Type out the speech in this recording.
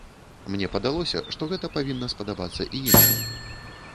Мне падалося, што гэта павінна спадабаецца і іншым.